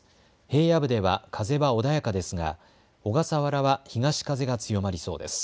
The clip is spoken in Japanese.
平野部では風は穏やかですが小笠原は東風が強まりそうです。